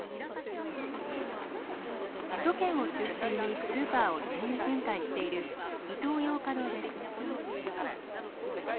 首都圏を中心にスーパーをチェーン展開しているイトーヨーカドーです。